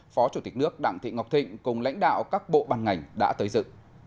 phó chủ tịch nước đảng thị ngọc thịnh cùng lãnh đạo các bộ bàn ngành đã tới dự